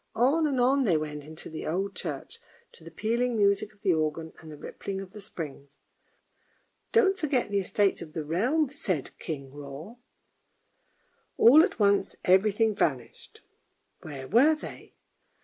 On and on they went into the old church, to the pealing music of the organ, and the rippling of the springs. " Don't forget the Estates of the Realm," said King Hroar. All at once every thing vanished — where were they